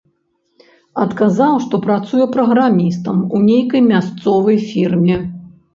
Адказаў, што працуе праграмістам у нейкай мясцовай фірме.